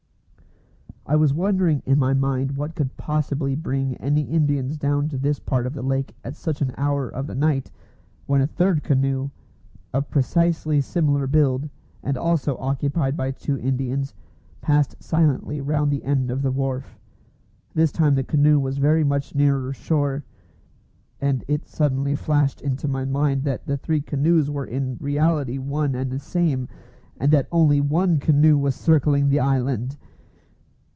I was wondering in my mind what could possibly bring any Indians down to this part of the lake at such an hour of the night, when a third canoe, of precisely similar build, and also occupied by two Indians, passed silently round the end of the wharf. This time the canoe was very much nearer shore, and it suddenly flashed into my mind that the three canoes were in reality one and the same, and that only one canoe was circling the island!